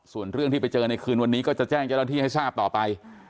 ส่วนเรื่องที่ไปเจอในคืนวันนี้ก็จะแจ้งเจ้าหน้าที่ให้ทราบต่อไป